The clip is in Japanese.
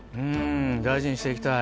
大事にしていきたい。